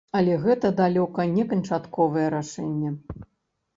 Але гэта далёка не канчатковае рашэнне.